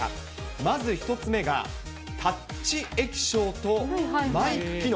まず１つ目が、タッチ液晶とマイク機能。